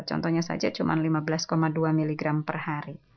contohnya saja cuma lima belas dua mg per hari